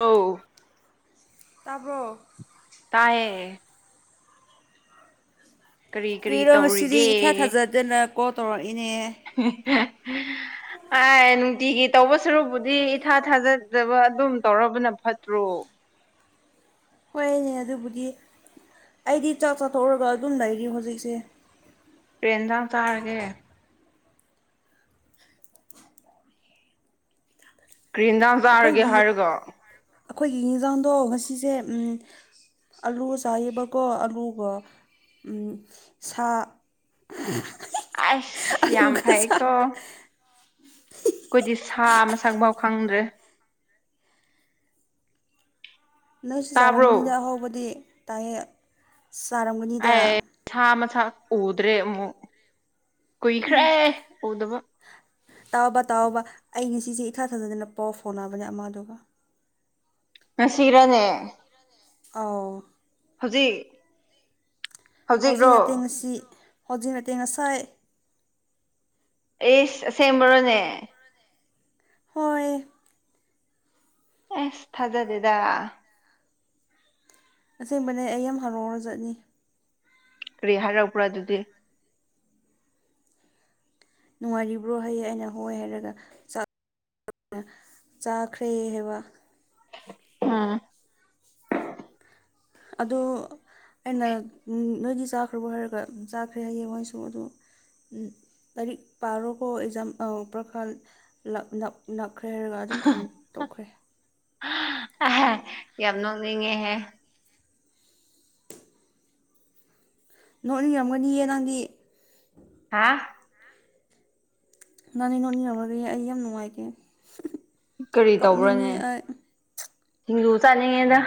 ꯑꯧ ꯇꯥꯕ꯭ꯔꯣ ꯇꯥꯏꯌꯦ ꯀꯔꯤ ꯀꯔꯤ ꯀ꯭ꯔꯤꯔꯣ ꯉꯁꯤꯗꯤ ꯇꯧꯔꯤꯒꯦ ꯏꯊꯥ ꯊꯥꯖꯗꯅ ꯀꯣꯜ ꯇꯧꯔꯛꯏꯅꯦ [unintelligible] ꯑ ꯅꯨꯡꯇꯤꯒꯤ ꯇꯧꯕ ꯁꯔꯨꯕꯨꯗꯤ ꯏꯊꯥ ꯊꯥꯖꯗꯕ ꯑꯗꯨꯝ ꯇꯧꯔꯕꯅ ꯐꯠꯇ꯭ꯔꯣ ꯍꯣꯏꯅꯦ ꯑꯗꯨꯕꯨꯗꯤ ꯑꯩꯗꯤ ꯆꯥꯛ ꯆꯥꯊꯣꯛꯔꯒ ꯑꯗꯨꯝ ꯂꯩꯔꯤ ꯍꯧꯖꯤꯛꯁꯦ ꯄꯦ ꯑꯦꯟꯖꯥꯡ ꯆꯥꯔꯒꯦ ꯀ꯭ꯔꯤ ꯑꯦꯟꯖꯥꯡ ꯆꯥꯔꯒꯦ ꯑꯩꯈꯣꯏꯒꯤ ꯍꯥꯏꯔꯒꯣ ꯑꯩꯈꯣꯏꯒꯤ ꯌꯦꯟꯖꯥꯡꯗꯣ ꯉꯁꯤꯁꯦ ꯑꯥꯂꯨ ꯆꯥꯏꯌꯦꯕꯀꯣ ꯑꯂꯨꯒꯣ ꯁꯥ ꯎ [unintelligible] ꯑꯁ ꯌꯥꯝ ꯐꯩꯀꯣ ꯑꯩꯈꯣꯏꯗꯤ ꯁꯥ ꯃꯁꯛꯐꯥꯎ ꯈꯪꯗ꯭ꯔꯦ ꯅꯣꯏꯁꯨ ꯇꯥꯕ꯭ꯔꯣ ꯆꯥꯔꯝꯒꯅꯤꯗ ꯑꯍꯧꯕꯗꯤ ꯇꯥꯏꯑꯦ ꯆꯥꯔꯝꯒꯅꯤꯗ ꯑꯩ ꯁꯥ ꯃꯁꯥ ꯎꯗ꯭ꯔꯦ ꯑꯃꯨꯛ ꯀꯨꯏꯈ꯭ꯔꯦ ꯎꯗꯕ ꯇꯥꯎꯕ ꯇꯥꯎꯑꯣꯕ ꯑꯩ ꯉꯁꯤꯁꯦ ꯏꯊꯥ ꯊꯥꯖꯗꯅ ꯄꯥꯎ ꯐꯥꯎꯅꯕꯅꯦ ꯑꯃꯗꯨꯒ ꯉꯁꯤꯔꯅꯦ ꯑꯥꯎ ꯍꯧꯖꯤꯛ ꯍꯧꯖꯤꯛ ꯍꯧꯖꯤꯛꯔꯣ ꯅꯠꯇꯦ ꯉꯥꯁꯤ ꯍꯧꯖꯤꯛ ꯅꯠꯇꯦ ꯉꯁꯥꯏ ꯑꯦ ꯑꯁꯦꯡꯕꯔꯣꯅꯦ ꯍꯣꯏ ꯑꯦꯁ ꯊꯥꯖꯗꯦꯗ ꯑꯁꯦꯡꯕꯅꯦ ꯑꯩ ꯌꯥꯝ ꯍꯔꯥꯎꯔꯥ ꯖꯠꯅꯤ ꯀꯔꯤ ꯍꯥꯏꯔꯛꯄ꯭ꯔꯥ ꯑꯗꯨꯗꯤ ꯅꯨꯡꯉꯥꯏꯔꯤꯕ꯭ꯔꯣ ꯍꯌꯦ ꯑꯩꯅ ꯍꯣꯏ ꯍꯥꯏꯔꯒ ꯆꯥꯛ [unintelligible] ꯆꯥꯈ꯭ꯔꯦ ꯍꯥꯏꯕ ꯎꯝ ꯑꯗꯨ ꯑꯩꯅ ꯅꯣꯏꯒꯤ ꯆꯥꯛ ꯔꯕꯔꯣ ꯍꯥꯏꯔꯒ ꯆꯥꯈ꯭ꯔꯦ ꯍꯥꯏꯌꯦ ꯃꯥꯁꯨ ꯑꯗꯨ ꯇꯔꯤꯛ ꯄꯥꯔꯣ ꯀꯧꯕ ꯑꯦꯛꯖꯥꯝ ꯄꯈꯥ ꯂ [unintelligible] ꯅꯛꯈ꯭ꯔꯦ ꯍꯥꯏꯔꯒ ꯑꯗꯨꯝ ꯊꯝꯗꯣꯛꯈ꯭ꯔꯦ ꯌꯥꯝ ꯅꯣꯛꯅꯤꯡꯉꯦꯍꯦ ꯅꯣꯛ ꯅꯤꯡꯔꯝꯒꯅꯤꯌꯦ ꯅꯪꯗꯤ ꯍꯥꯥ ꯅꯪꯗꯤ ꯅꯣꯠꯅꯤꯡꯔꯝꯒꯌꯦ ꯑꯩ ꯌꯥꯝ ꯅꯨꯡꯉꯥꯏꯇꯦ ꯀꯔꯤ ꯀꯞꯅꯤꯡꯉꯦ ꯇꯧꯕ꯭ꯔꯅꯦ ꯑꯩ ꯁꯤꯡꯖꯨ ꯆꯥꯅꯤꯡꯉꯦꯗ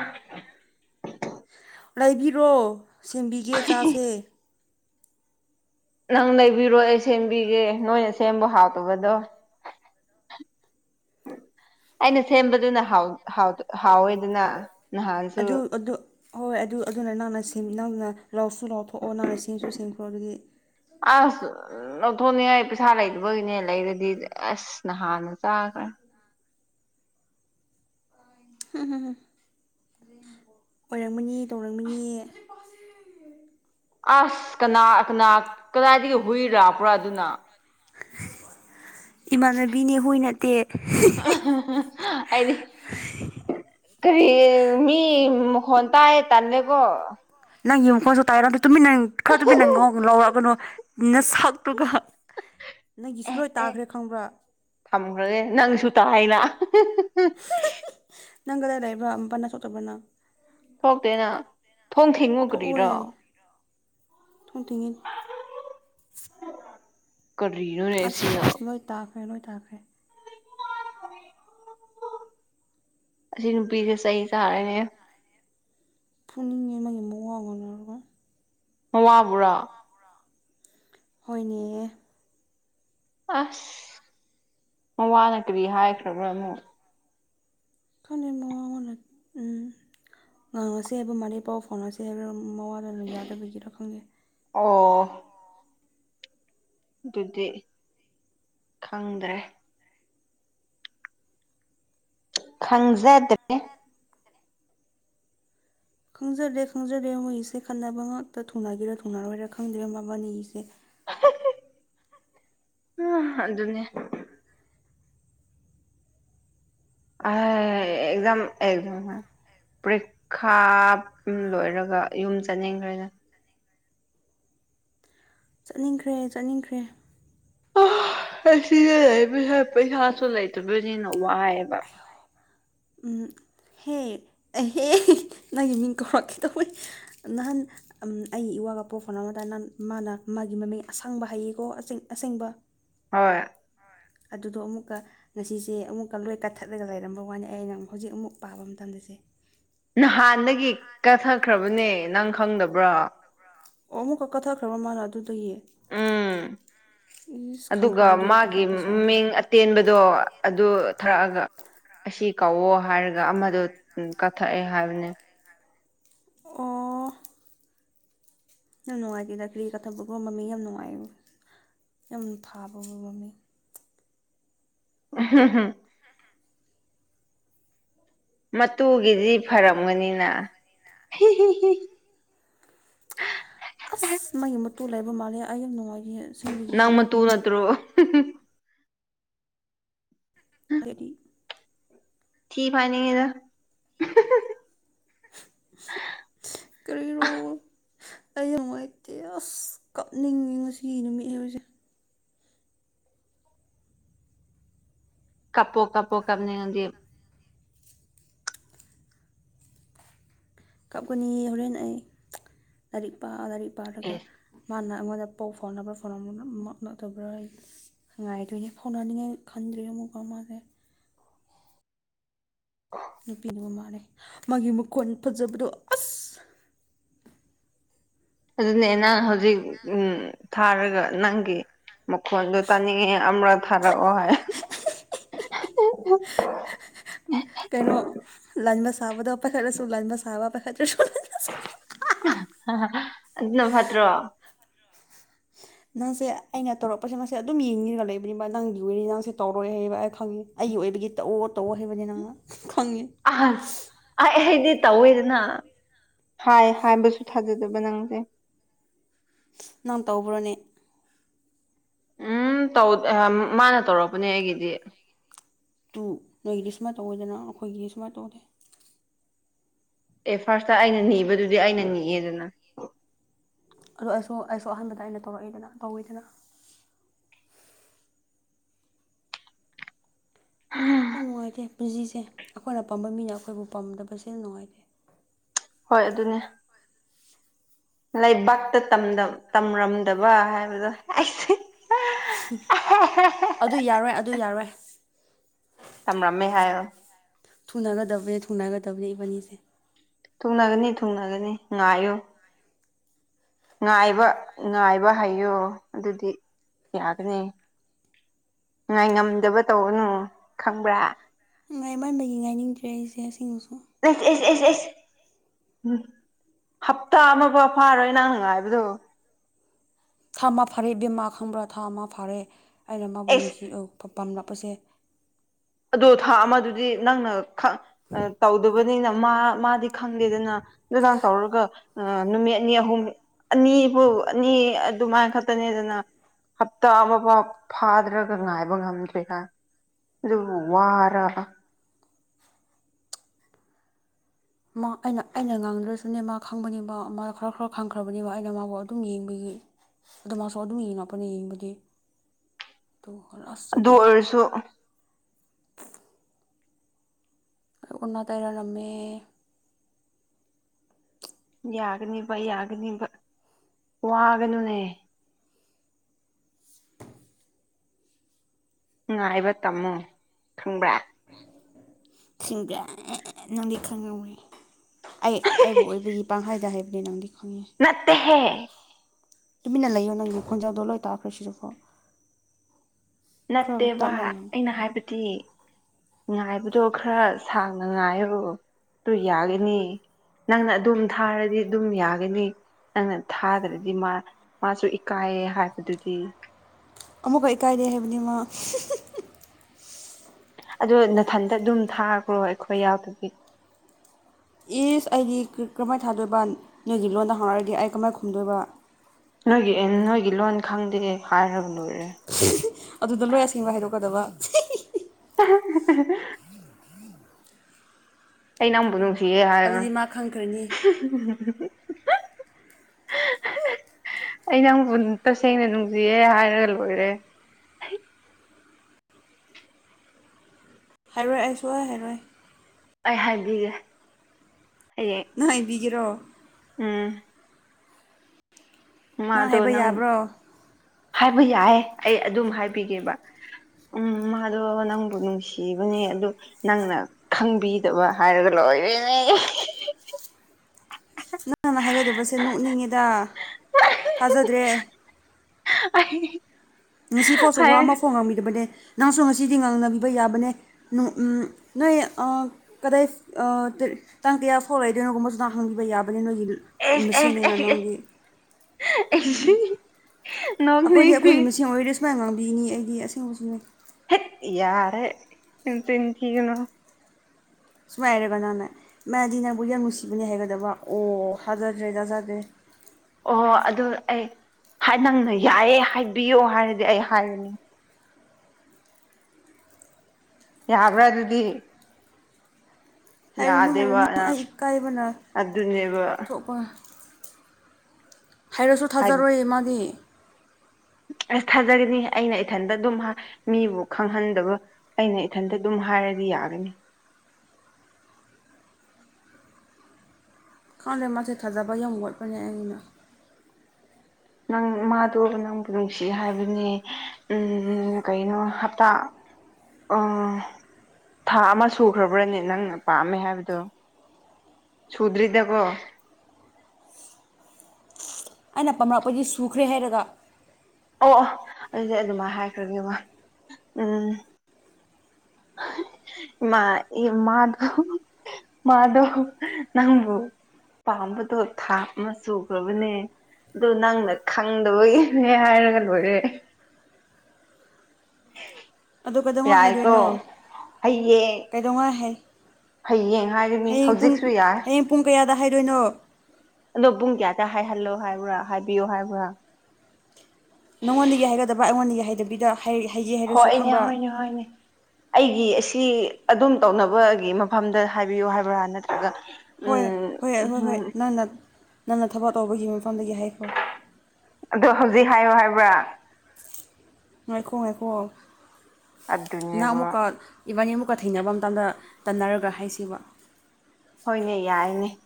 ꯂꯥꯏꯕꯤꯔꯣ ꯁꯦꯝꯕꯤꯒꯦ ꯆꯥꯁꯦ ꯅꯪ ꯂꯩꯕꯤꯔꯣ ꯑꯩ ꯁꯦꯝꯕꯤꯒꯦ ꯅꯣꯏꯅ ꯁꯦꯝꯕ ꯍꯥꯎꯇꯕꯗꯣ ꯑꯩꯅ ꯁꯦꯝꯕꯗꯨꯅ ꯍꯥꯎꯋꯦ ꯑꯗꯨꯅ ꯑꯗꯨ ꯑꯗꯨ ꯍꯣꯏ ꯍꯣꯏ ꯑꯗꯨ ꯑꯗꯨꯅ ꯅꯪꯅ ꯅꯪꯅ ꯂꯥꯎꯁꯨ ꯂꯥꯎꯊꯣꯛꯑꯣ ꯅꯪꯅ ꯁꯦꯝꯁꯨ ꯁꯦꯝꯈ꯭ꯔꯣ ꯑꯗꯨꯗꯤ ꯑ ꯎ ꯂꯧꯊꯣꯛꯅꯤꯡꯉꯥꯏ ꯄꯩꯁꯥ ꯂꯩꯗꯕꯒꯤꯅꯦ ꯂꯩꯔꯗꯤ ꯑꯁ ꯅ ꯍꯥꯟꯅ ꯆꯥꯈ꯭ꯔꯦ ꯎ ꯑꯣꯏꯔꯝꯃꯅꯤ ꯇꯧꯔꯝꯃꯅꯤ ꯑꯁ ꯀꯅꯥ ꯀꯅꯥ ꯀꯗꯥꯏꯗꯒꯤ ꯍꯨꯏꯔꯥ ꯄꯨꯔꯥ ꯑꯗꯨꯅ ꯏꯃꯥꯟꯅꯕꯤꯅꯦ ꯍꯣꯏ ꯅꯠꯇꯦ ꯑꯩꯗꯤ ꯀꯔꯤ ꯃꯤ ꯃꯈꯣꯟ ꯇꯥꯏ ꯇꯥꯟꯂꯦꯀꯣ ꯅꯪꯒꯤ ꯃꯈꯣꯟꯁꯨ ꯇꯥꯏꯔꯗ ꯇꯨꯃꯤꯟꯅ ꯈꯔ ꯇꯨꯃꯤꯟꯅ ꯉꯥꯎꯔꯛꯒꯅꯨ ꯅ ꯁꯛꯇꯨꯒ ꯅꯪꯒꯤꯁꯨ ꯂꯣꯏ ꯑꯦꯁ ꯑꯦꯁ ꯇꯥꯈ꯭ꯔꯦ ꯈꯪꯕ꯭ꯔꯥ ꯊꯝꯈ꯭ꯔꯒꯦ ꯅꯪꯁꯨ ꯇꯥꯏꯅ ꯅꯪꯒ ꯂꯩꯔ ꯂꯩꯕ꯭ꯔꯥ ꯑꯃꯄꯅꯥ ꯁꯣꯇꯣꯔꯕꯅ ꯊꯣꯛꯇꯦꯅ ꯊꯣꯡ ꯊꯦꯡꯉꯨ ꯊꯣꯛꯑꯣꯋꯦ ꯀꯔꯤꯔꯣ ꯊꯣꯡ ꯊꯤꯡꯉꯤꯟ ꯀꯔꯤ [unintelligible] ꯑꯁ [unintelligible] ꯂꯣꯏ ꯇꯥꯈ꯭ꯔꯦ ꯂꯣꯏ ꯇꯥꯈ꯭ꯔꯦ ꯑꯁꯤ ꯅꯨꯄꯤꯁꯦ ꯆꯩ ꯆꯥꯔꯅꯦ ꯐꯨꯅꯤꯡꯉꯦ ꯃꯩꯒꯤ ꯃꯋꯥ ꯎꯅꯔꯒ ꯃꯋꯥꯕꯨꯔꯥ? [inaudible] ꯍꯣꯏꯅꯦ ꯑꯁ ꯃꯋꯥꯒ ꯀꯔꯤ ꯍꯥꯏꯈ꯭ꯔꯕ꯭ꯔꯥ ꯑꯃꯨꯛ? ꯈꯪꯗꯦ ꯃꯋꯥ ꯉꯦꯟꯗꯠ ꯎꯝ ꯉꯥꯡꯅꯁꯦ ꯍꯥꯏꯕ ꯃꯟꯂꯦ ꯄꯥꯎ ꯐꯥꯎꯅꯁꯦ ꯍꯥꯏꯕ꯭ꯔ ꯃꯋꯥꯗꯨꯅ ꯌꯥꯗꯕꯒꯤꯔ ꯈꯪꯗꯦ ꯑꯣ ꯗꯨꯗꯤ ꯈꯪꯗ꯭ꯔꯦ ꯈꯪꯖꯗꯠꯔꯦ ꯈꯪꯖꯗꯦ ꯈꯪꯖꯗꯦ ꯃꯣꯏꯒꯤꯁꯦ ꯈꯠꯅꯕ ꯉꯥꯛꯇ ꯊꯨꯡꯅꯒꯦꯔ ꯊꯨꯡꯅꯔꯣꯏꯗ꯭ꯔ ꯈꯪꯗ꯭ꯔꯦ ꯃꯕꯟꯅꯤꯒꯤꯁꯦ꯫ [unintelligible] ꯑꯗꯨꯅꯦ ꯑꯥꯏ ꯑꯦꯛꯖꯝ ꯑꯦꯛꯖꯥꯝ ꯍꯥꯏꯌꯦ ꯄ꯭ꯔꯦꯛꯈꯥ ꯎꯝ ꯂꯣꯏꯔꯒ ꯌꯨꯝ ꯆꯠꯅꯤꯡꯈ꯭ꯔꯦꯗ ꯆꯠꯅꯤꯡꯈ꯭ꯔꯦ ꯆꯠꯅꯤꯡꯈ꯭ꯔꯦ ꯑꯁꯤꯗ ꯂꯩꯕꯁꯦ ꯄꯩꯁꯥꯁꯨ ꯂꯩꯇꯕꯅꯤꯅ ꯋꯥꯏ ꯌꯦꯕ ꯎꯝ ꯍꯦ ꯑꯥꯍꯦ [unintelligible] ꯅꯪꯒꯤ ꯃꯤꯡ ꯀꯧꯔꯛꯈꯦ ꯇꯧꯋꯦ ꯅꯍꯥꯟ ꯑꯝ ꯑꯩꯒꯤ ꯏꯋꯥꯒ ꯄꯣꯛ ꯐꯎꯅꯕꯗ ꯅꯪ ꯃꯥꯅ ꯃꯥꯒꯤ ꯃꯃꯤꯡ ꯑꯁꯥꯡꯕ ꯍꯥꯏꯌꯦꯀꯣ ꯑꯁꯦꯡ ꯑꯁꯦꯡꯕ? ꯍꯣꯏ ꯑꯗꯨꯗꯣ ꯑꯃꯨꯛꯀꯥ ꯉꯁꯤꯁꯦ ꯑꯃꯨꯛꯀꯥ ꯂꯣꯏ ꯀꯠꯊꯠꯂꯒ ꯂꯩꯔꯝꯕ ꯋꯥꯅꯦ ꯑꯩꯅ ꯍꯧꯖꯤꯛ ꯑꯃꯨꯛ ꯄꯥꯕ ꯃꯇꯝꯗꯁꯦ ꯅꯍꯥꯟꯗꯒꯤ ꯀꯠꯊꯠꯈ꯭ꯔꯕꯅꯦ ꯅꯪ ꯈꯪꯗꯕ꯭ꯔꯥ? ꯑꯣ ꯑꯃꯨꯛꯀꯥ ꯀꯠꯊꯠꯈ꯭ꯔꯕ ꯃꯥꯅ ꯑꯗꯨꯗꯨ? [unintelligible] ꯎꯝ ꯑꯗꯨꯒ ꯈꯪꯈ꯭ꯔꯕꯗꯨ ꯃꯥꯒꯤ ꯀꯥꯈꯠꯄ [unintelligible] ꯁꯥꯏ ꯃꯤꯡ ꯑꯠ ꯇꯦꯟꯕꯗꯣ ꯑꯗꯨ ꯊꯥꯔꯛꯑꯒ ꯑꯁꯤ ꯀꯧꯋꯣ ꯍꯥꯏꯔꯒ ꯑꯃꯗꯣ ꯎꯝ ꯀꯛꯊꯛꯑꯦ ꯍꯥꯏꯕꯅꯦ꯫ ꯑꯣ ꯌꯥꯝ ꯅꯨꯡꯉꯥꯏꯇꯦꯗ ꯀ꯭ꯔꯤ ꯀꯠꯊꯠꯕꯀꯣ ꯃꯥꯃꯤꯡ ꯌꯥꯝ ꯅꯨꯡꯉꯥꯏꯕ ꯌꯥꯝ ꯐꯥꯕꯒꯨꯝꯕ ꯃꯤꯡ [unintelligible] ꯃꯠꯇꯨꯒꯤꯗꯤ ꯐꯔꯝꯒꯅꯤꯅ ꯍꯤ ꯍꯤ ꯍꯤ ꯑꯁ ꯃꯒꯤ ꯃꯠꯇꯨ ꯂꯩꯕ ꯃꯥꯜꯂꯦ ꯑꯩ ꯌꯥꯝ ꯅꯨꯡꯉꯥꯏ [unintelligible] ꯅꯪ ꯃꯇꯨ ꯅꯠꯇ꯭ꯔꯣ? [unintelligible] ꯔꯤ ꯊꯤꯐꯥꯏꯅꯤꯡ ꯉꯦꯗꯥ [unintelligible] [unintelligible] [unintelligible] ꯀꯔꯤꯔꯣꯜ ꯑꯩ ꯌꯝ ꯋꯥꯏꯇꯦ ꯑꯁ ꯀꯥꯞꯅꯤꯡꯉꯦ ꯉꯤꯁꯤꯒꯤ ꯅꯨꯃꯤꯠ ꯍꯥꯏꯕꯁꯦ ꯀꯞꯄꯣ ꯀꯞꯄꯣ ꯀꯞꯅꯤꯡꯉꯗꯤ ꯀꯥꯞꯀꯅꯤ ꯍꯧꯔꯦꯟ ꯑꯩ [unintelligible] ꯂꯥꯏꯔꯤꯛ ꯄꯥ ꯂꯥꯏꯔꯤꯛ ꯄꯥꯔꯒ꯫ ꯑꯦ ꯃꯥꯅ ꯑꯩꯉꯣꯟꯗ ꯄꯥꯎ ꯐꯥꯎꯅꯕ꯭ꯔꯥ ꯐꯥꯎꯅ [unintelligible] ꯃꯠ ꯅꯠꯇꯕ꯭ꯔꯥ ꯑꯩ ꯉꯥꯏꯗꯣꯏꯅꯦ ꯐꯎꯅꯅꯤꯉꯥꯏ ꯈꯟꯗ꯭ꯔꯦ ꯃꯨꯛꯀꯥ ꯃꯁꯦ ꯅꯨꯄꯤꯗꯨꯒ ꯃꯅꯦ ꯃꯥꯒꯤ ꯃꯈꯣꯟ ꯐꯖꯕꯗꯣ ꯑꯁ ꯑꯗꯨꯅꯦ ꯅꯪ ꯍꯧꯖꯤꯛ ꯎꯝ ꯎꯝ ꯊꯥꯔꯒ ꯅꯪꯒꯤ ꯃꯈꯣꯟꯗꯣ ꯇꯥꯅꯤꯡꯉꯦ ꯑꯃꯔꯛ ꯊꯥꯔꯛꯑꯣ ꯍꯥꯏ [unintelligible] [unintelligible] ꯀꯩꯅꯣ ꯂꯟꯕ ꯁꯥꯕꯗꯣ ꯄꯥꯏꯈꯠꯂꯁꯨ ꯂꯟꯕ ꯁꯥꯕ ꯄꯥꯏꯈꯠꯇ꯭ꯔꯁꯨ ꯂꯟ [unintelligible] ꯑꯗꯨꯅ ꯐꯠꯇ꯭ꯔꯣ ꯅꯪꯁꯦ ꯑꯩꯅ ꯇꯧꯔꯛꯄꯁꯦ ꯃꯁꯦ ꯑꯗꯨꯝ ꯌꯦꯡꯂꯒ ꯂꯩꯕꯅꯦ ꯃꯥ ꯅꯪꯒꯤ ꯋꯔꯤ ꯅꯪꯁꯦ ꯇꯧꯔꯣꯏ ꯍꯥꯏꯕ ꯑꯩ ꯈꯪꯉꯦ ꯑꯩꯒꯤ ꯑꯣꯏꯕꯒꯤ ꯇꯧꯑꯣ ꯇꯧꯑꯣ ꯍꯥꯏꯕꯅꯤ ꯅꯪꯅ ꯈꯪꯉꯤ ꯑ ꯑꯩ ꯑꯩꯗꯤ ꯇꯧꯋꯦꯗꯅ ꯍꯥꯏ ꯍꯥꯏꯕꯁꯨ ꯊꯥꯖꯗꯕ ꯅꯪꯁꯦ ꯅꯪ ꯇꯧꯕ꯭ꯔꯣꯅꯦ ꯎꯝꯧ ꯃꯥꯅ ꯇꯧꯔꯛꯄꯅꯦ ꯑꯩꯒꯤꯗꯤ ꯇꯨ ꯅꯣꯏꯒꯤꯗꯤ ꯁꯨꯃꯥꯏꯅ ꯇꯧꯋꯗꯅ ꯑꯩꯈꯣꯏꯒꯤꯗꯤ ꯁꯨꯃꯥꯏꯅ ꯇꯧꯗꯦ ꯑꯦ ꯐꯥꯔꯁꯇ ꯑꯩꯅ ꯅꯤꯕꯗꯨꯗꯤ ꯑꯩꯅ ꯅꯤꯑꯦꯗꯅ ꯑꯗꯣ ꯑꯩꯁꯨ ꯑꯩꯁꯨ ꯑꯍꯥꯟꯕꯗ ꯑꯩꯅ ꯇꯧꯔꯛꯏꯗꯅ ꯇꯧꯋꯤꯗꯅ ꯍꯝ [inaudible] ꯌꯥꯝ ꯅꯨꯡꯉꯥꯏꯇꯦ ꯄꯨꯟꯁꯤꯁꯦ ꯑꯩꯈꯣꯏꯅ ꯄꯥꯝꯕ ꯃꯤꯅ ꯑꯩꯈꯣꯏꯕꯨ ꯄꯥꯝꯗꯕꯁꯦ ꯌꯥꯝ ꯅꯨꯡꯉꯥꯏꯇꯦ ꯍꯣꯏ ꯑꯗꯨꯅꯦ ꯂꯩꯕꯛꯇ ꯇꯝꯔꯝꯗꯕ ꯍꯥꯏꯕꯗꯣ ꯑꯩꯁ ꯑꯗꯨ ꯌꯥꯔꯣꯏ ꯑꯗꯨ ꯌꯥꯔꯣꯏ ꯇꯝꯔꯝꯃꯦ ꯍꯥꯏꯌꯣ ꯊꯨꯅꯒꯗꯕꯅꯦ ꯊꯨꯅꯒꯗꯕꯅꯦ ꯏꯕꯅꯤꯁꯦ ꯊꯨꯡꯅꯒꯅꯤ ꯊꯨꯡꯅꯒꯅꯤ ꯉꯥꯏꯌꯨ ꯉꯥꯏꯕ ꯉꯥꯏꯕ ꯍꯥꯏꯌꯣ ꯑꯗꯨꯗꯤ ꯌꯥꯒꯅꯤ ꯉꯥꯏꯉꯝꯗꯕ ꯇꯧꯒꯅꯨ ꯈꯪꯕ꯭ꯔꯥ ꯉꯥꯏ ꯏꯃꯥꯟꯕꯒꯤ ꯉꯥꯏꯅꯤꯡꯗ꯭ꯔꯦ ꯑꯩꯁꯦ ꯑꯁꯦꯡꯕꯁꯨ ꯢꯁ ꯢꯁ ꯢꯁ ꯢꯁ ꯎꯝ ꯍꯞꯇꯥ ꯑꯃꯐꯥꯎ ꯐꯥꯔꯣꯏ ꯅꯪ ꯉꯥꯏꯕꯗꯣ ꯊꯥ ꯑꯃ ꯐꯥꯔꯦ ꯕꯦꯃꯥ ꯈꯪꯕ꯭ꯔꯥ ꯊꯥ ꯑꯃ ꯐꯥꯔꯦ ꯑꯩꯅ ꯃꯥꯕꯨ ꯑꯦꯁ ꯅꯨꯡꯁꯤ ꯄꯥꯝꯂꯞꯄꯁꯦ ꯑꯗꯣ ꯊꯥ ꯑꯃꯗꯨꯗꯤ ꯅꯪꯅ ꯇꯧꯗꯕꯅꯤꯅ ꯗꯤ ꯈꯪꯗꯦꯗꯅ ꯑꯗꯣ ꯅꯪ ꯇꯧꯔꯒ ꯅꯨꯃꯤꯠ ꯑꯅꯤ ꯑꯍꯨꯝ ꯑꯅꯤꯕꯨ ꯑꯅꯤ ꯑꯗꯨꯃꯥꯏ ꯈꯛꯇꯅꯦꯗꯅ ꯍꯞꯇꯥ ꯑꯃꯐꯥꯎ ꯐꯥꯗ꯭ꯔꯒ ꯉꯥꯏꯕ ꯉꯝꯗ꯭ꯔꯦꯒꯥꯏꯅ ꯑꯗꯨꯕꯨ ꯋꯥꯔꯕ ꯃꯥ ꯑꯩꯅ ꯑꯩꯅ ꯉꯥꯡꯗ꯭ꯔꯁꯨꯅꯦ ꯃꯥ ꯈꯪꯕꯅꯦꯕ ꯃꯥ ꯈꯔ ꯈꯔ ꯈꯪꯈ꯭ꯔꯕꯅꯦꯕ ꯑꯩꯅ ꯃꯥꯕꯨ ꯑꯗꯨꯝ ꯌꯦꯡꯕꯒꯤ ꯑ ꯃꯥꯁꯨ ꯑꯗꯨꯝ ꯌꯦꯡꯉꯛꯄꯅꯦ ꯌꯦꯡꯕꯗꯤ ꯑꯗꯣ ꯑꯗꯨ ꯂꯥꯁꯇꯗꯤ ꯑꯣꯏꯔꯁꯨ ꯑꯣꯟꯅ ꯇꯩꯅꯔꯝꯃꯦ ꯌꯥꯒꯅꯤꯕ ꯌꯥꯒꯅꯤꯕ ꯋꯥꯒꯅꯨꯅꯦ ꯉꯥꯏꯕ ꯇꯝꯃꯨ ꯈꯪꯕ꯭ꯔꯥ ꯊꯁꯤꯡꯕ꯭ꯔꯦ [inaudible] ꯅꯪꯗꯤ ꯈꯪꯉꯧꯅꯤ ꯑꯩ ꯑꯩꯕꯨ ꯑꯣꯏꯕꯒꯤ ꯄꯥꯡꯍꯥꯏꯗ ꯍꯥꯏꯕꯅꯦ ꯅꯪꯗꯤ ꯈꯪꯉꯦ ꯅꯠꯇꯦꯍꯦ ꯇꯨꯃꯤꯟꯅ ꯂꯩꯌꯣ ꯅꯪꯒꯤ ꯈꯣꯟꯖꯥꯎꯗꯣ ꯂꯣꯏ ꯇꯥꯛꯈ꯭ꯔꯦ ꯁꯤꯁꯨꯀꯣ ꯈꯔ ꯅꯠꯇꯦꯕ ꯇꯞꯅ ꯉꯥꯡꯉꯣ ꯑꯩꯅ ꯍꯥꯏꯕꯗꯤ ꯉꯥꯏꯕꯗꯣ ꯈꯔ ꯁꯥꯡꯅ ꯉꯥꯏꯌꯣ ꯑꯗꯨ ꯌꯥꯒꯅꯤ ꯅꯪꯅ ꯑꯗꯨꯝ ꯊꯥꯔꯗꯤ ꯑꯗꯨꯝ ꯌꯥꯒꯅꯤ ꯅꯪꯅ ꯊꯥꯗ꯭ꯔꯗꯤ ꯃꯥ ꯃꯥꯁꯨ ꯏꯀꯥꯏꯌꯦ ꯍꯥꯏꯕꯗꯨꯗꯤ ꯑꯃꯨꯛꯀ ꯢꯀꯥꯏꯗꯦ ꯍꯥꯏꯕꯅꯤ ꯃꯥ ꯑꯗꯣ ꯏꯊꯟꯗ ꯑꯗꯨꯝ ꯊꯥꯈ꯭ꯔꯣ ꯑꯩꯈꯣꯏ ꯌꯥꯎꯗꯕꯤ ꯏꯁ ꯑꯩꯗꯤ ꯀꯃꯥꯏꯅ ꯊꯥꯗꯣꯏꯕ ꯅꯣꯏꯒꯤ ꯂꯣꯟꯗ ꯍꯧꯔꯛꯑꯒꯦ ꯑꯩ ꯀꯃꯥꯏꯅ ꯈꯨꯝꯗꯣꯏꯕ ꯅꯣꯏꯒꯤ ꯑꯦ ꯅꯣꯏꯒꯤ ꯂꯣꯟ ꯈꯪꯗꯦ ꯍꯥꯏꯔꯒ ꯂꯣꯏꯔꯦ ꯑꯗꯨꯗ ꯂꯣꯏ ꯑꯁꯦꯡꯕ ꯍꯥꯏꯗꯣꯛꯀꯗꯕ [inaudible] ꯑꯩꯩ ꯅꯪꯕꯨ ꯅꯨꯡꯁꯤꯌꯦ ꯍꯥꯢꯌꯣ ꯑꯗꯨꯗꯤ ꯃꯥ ꯈꯪꯈ꯭ꯔꯅꯤ ꯑꯩ ꯅꯪꯕꯨ ꯇꯁꯦꯡꯅ ꯅꯨꯡꯁꯤꯌꯦ ꯍꯥꯏꯔꯒ ꯂꯣꯏꯔꯦ ꯍꯥꯏꯔꯣꯏ ꯑꯩ ꯁꯨꯡꯍꯥꯢ ꯍꯥꯏꯔꯣꯏ ꯑꯩ ꯍꯥꯏꯕꯤꯒꯦ ꯍꯌꯦꯡ ꯅꯪ ꯍꯥꯏꯕꯤꯒꯦꯔꯣ ꯎꯝ ꯃꯥꯗꯣ ꯍꯥꯏꯕ ꯅꯪ ꯌꯥꯕ꯭ꯔꯣ ꯍꯥꯏꯕ ꯌꯥꯏꯌꯦ ꯑꯩ ꯑꯗꯨꯝ ꯍꯥꯏꯕꯤꯒꯦꯕ ꯎꯝ ꯃꯥꯣ ꯅꯪꯕꯨ ꯅꯨꯡꯁꯤꯕꯅꯦ ꯑꯗꯨ ꯅꯪꯅ ꯈꯪꯕꯤꯗꯕ ꯍꯥꯏꯔꯒ ꯂꯣꯏꯔꯅꯦ ꯅꯪ ꯅꯪ ꯍꯥꯏꯒꯗꯕꯁꯦ ꯅꯣꯛꯅꯤꯡꯉꯦꯗ ꯊꯥꯖꯗ꯭ꯔꯦ ꯑꯛ [inaudible] ꯉꯁꯤ ꯐꯥꯎꯁꯨ ꯋꯥ ꯑꯃꯐꯥꯎ ꯉꯥꯡꯕꯤꯗꯕꯅꯦ ꯅꯪꯁꯨ ꯉꯁꯤꯗꯤ ꯉꯥꯡꯅꯕꯤꯕ ꯌꯥꯕꯅꯦ ꯅꯣꯏ ꯀꯗꯥꯏ ꯇꯥꯡ ꯀꯌꯥ ꯐꯥꯎꯔꯛꯏꯗꯣꯏꯅꯣꯒꯨꯝꯕꯁꯨꯗ ꯍꯪꯕꯤꯕ ꯌꯥꯕꯅꯤ ꯅꯣꯏꯒꯤ ꯃꯁꯦꯟꯅꯤꯅ ꯅꯪꯒꯤ ꯅꯈꯅꯤ [inaudible] ꯑꯦꯡ ꯑꯣꯏꯔꯦ ꯁꯨꯃꯥꯏꯅ ꯉꯥꯡꯕꯤꯅꯤ ꯑꯩꯗꯤ ꯑꯁꯦꯡꯕꯁꯨꯅꯦ ꯌꯥꯔꯦ ꯅꯆꯤꯟ ꯊꯤꯒꯅꯨ ꯁꯨꯃꯥꯏ ꯍꯥꯏꯔꯒ ꯅꯪꯅꯦ ꯃꯥꯗꯤ ꯅꯪꯕꯨ ꯌꯥꯝ ꯅꯨꯡꯁꯤꯕꯅꯦ ꯍꯥꯏꯒꯗꯕ ꯑꯣ ꯊꯥꯖꯗ꯭ꯔꯦ ꯇꯥꯖꯗ꯭ꯔꯦ ꯑꯣ ꯑꯗꯨ ꯑꯩ ꯅꯪꯅ ꯌꯥꯏꯌꯦꯦ ꯍꯥꯏꯕꯤꯌꯣ ꯍꯥꯏꯔꯗꯤ ꯑꯩ ꯍꯥꯏꯔꯅꯤ ꯌꯥꯕ꯭ꯔꯥ ꯑꯗꯨꯗꯤ ꯍꯥꯏꯔꯨꯅꯨ ꯌꯥꯗꯦꯕ ꯍꯥꯏꯔꯨꯅꯨ ꯑꯩ ꯅꯪ ꯏꯀꯥꯏꯕꯅ ꯑꯗꯨꯅꯦꯕ ꯊꯣꯛꯄ ꯍꯥꯏꯔꯁꯨ ꯊꯥꯖꯔꯣꯏꯌꯦ ꯃꯥꯗꯤ ꯑꯁ ꯊꯥꯖꯒꯅꯤ ꯑꯩꯅ ꯏꯊꯟꯇ ꯑꯗꯨꯝ ꯃꯤꯕꯨ ꯈꯪꯍꯟꯗꯕ ꯑꯩꯅ ꯏꯊꯟꯇ ꯑꯗꯨꯝ ꯍꯥꯏꯔꯗꯤ ꯌꯥꯒꯅꯤ ꯈꯪꯗꯦ ꯃꯁꯦ ꯊꯥꯖꯕ ꯌꯧꯒꯣꯠꯄꯅꯦ ꯑꯩꯅ ꯅꯪ ꯃꯥꯗꯣ ꯅꯪꯕꯨ ꯅꯨꯡꯁꯤ ꯍꯥꯏꯕꯅꯦ ꯎꯝ ꯀꯩꯅꯣ ꯍꯥꯞꯇꯥ ꯎꯝ ꯊꯥ ꯑꯃ ꯁꯨꯈ꯭ꯔꯕ꯭ꯔꯅꯦ ꯅꯪꯅ ꯄꯥꯝꯃꯦ ꯍꯥꯏꯕꯗꯣ ꯁꯨꯗꯔꯤꯗ ꯀꯣ ꯑꯩꯅ ꯄꯝꯂꯛꯄꯗꯤ ꯁꯨꯈ꯭ꯔꯦ ꯍꯥꯏꯔꯒ ꯑꯣ ꯑꯣ ꯑꯗꯨꯗꯤ ꯑꯗꯨꯃꯥꯏꯅ ꯍꯥꯏꯈ꯭ꯔꯒꯦꯕ ꯎꯝ ꯃꯥ ꯏ ꯃꯥꯗ [inaudible] ꯃꯥꯗꯣ ꯅꯪꯕꯨ ꯄꯥꯝꯕꯗꯣ ꯊꯥ ꯑꯃ ꯁꯨꯈ꯭ꯔꯕꯅꯦ ꯑꯗꯨ ꯅꯪꯅ ꯈꯪꯗꯕꯒꯤꯅꯦ ꯍꯥꯏꯔꯒ ꯂꯣꯏꯔꯦ ꯑꯗꯣ ꯀꯩꯗꯧꯉꯩ ꯌꯥꯏꯀꯣ ꯍꯥꯏꯗꯣꯏꯅꯣ ꯍꯌꯦꯡ ꯀꯩꯗꯧꯉꯩ ꯍꯥꯏ ꯍꯌꯦꯡ ꯍꯥꯏꯒꯅꯤ ꯍꯌꯦꯡ ꯄꯨꯡ ꯍꯧꯖꯤꯛꯁꯨ ꯌꯥꯏ ꯍꯌꯦꯡ ꯄꯨꯡ ꯀꯌꯥꯗ ꯍꯥꯏꯗꯣꯏꯅꯣ ꯑꯗꯣ ꯄꯨꯡ ꯀꯌꯥꯗ ꯍꯥꯏꯍꯜꯂꯣ ꯍꯥꯏꯕ꯭ꯔꯥ ꯍꯥꯏꯕꯤꯌꯣ ꯍꯥꯏꯕ꯭ꯔꯥ ꯅꯉꯣꯟꯗꯒꯤ ꯍꯥꯏꯒꯗꯕ ꯑꯩꯉꯣꯟꯗꯒꯤ ꯍꯩꯗꯕꯤꯗ ꯍꯩꯖꯦ ꯍꯥꯏꯔꯁꯨ ꯈꯪꯕ꯭ꯔꯥ ꯍꯣꯢꯅꯦ ꯑꯩꯒꯤ ꯑꯁꯤ ꯑꯗꯨꯝ ꯇꯧꯅꯕꯒꯤ ꯃꯐꯝꯗ ꯍꯥꯏꯕꯤꯌꯨ ꯍꯥꯏꯕ꯭ꯔꯥ ꯅꯠꯇ꯭ꯔꯒ ꯍꯣꯏ ꯎꯝ ꯍꯣꯏ ꯍꯣꯏ ꯍꯣꯏ ꯎꯝ ꯅꯪꯅ ꯅꯪꯅ ꯊꯕꯛ ꯇꯧꯕꯒꯤ ꯃꯐꯝꯗꯒꯤ ꯍꯥꯏꯈꯔꯣ ꯑꯗꯣ ꯍꯧꯖꯤꯛ ꯍꯥꯏꯌꯣ ꯍꯥꯏꯕ꯭ꯔꯥ ꯉꯥꯏꯈꯣ ꯉꯥꯏꯈꯣ ꯅꯪ ꯑꯗꯨꯅꯦꯕ ꯑꯃꯨꯛꯒ ꯏꯕꯥꯅꯤ ꯑꯃꯨꯛꯀ ꯊꯦꯡꯅꯕ ꯃꯇꯝꯗ ꯇꯟꯅꯔꯒ ꯍꯥꯏꯁꯤꯕ ꯍꯣꯏꯅꯦ ꯌꯥꯏꯅꯦ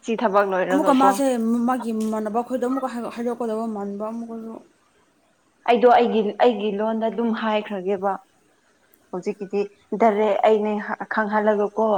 ꯁꯤ ꯊꯕꯛ ꯂꯣꯢ ꯑꯃꯨꯛꯀ ꯃꯥꯁꯦ ꯃꯥꯒꯤ ꯃꯥꯟꯅꯕ ꯑꯩꯈꯣꯏꯗꯣ ꯑꯃꯨꯛꯀ ꯍꯥꯏꯗꯣꯛꯀꯗꯕ ꯃꯅꯕ ꯑꯃꯨꯛꯀꯁꯨ ꯑꯩꯗꯣ ꯑꯩꯒꯤ ꯑꯩꯒꯤ ꯂꯣꯟꯗ ꯑꯗꯨꯝ ꯍꯥꯏꯈ꯭ꯔꯒꯦꯕ ꯍꯧꯖꯤꯛꯀꯤꯗꯤ ꯗꯥꯔꯦꯛ ꯑꯩꯅꯦ ꯈꯪꯍꯜꯂꯒꯀꯣ